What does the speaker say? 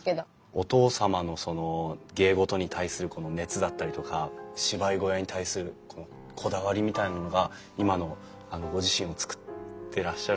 お父様のその芸事に対するこの熱だったりとか芝居小屋に対するこだわりみたいなものが今のご自身を作ってらっしゃる。